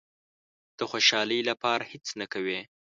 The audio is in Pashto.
د خوشالۍ لپاره هېڅ نه کوي.